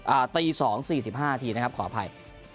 ตีสองสี่สิบห้านาทีนะครับขออภัย